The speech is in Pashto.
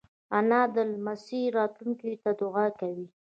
انا د لمسیو راتلونکې ته دعا کوي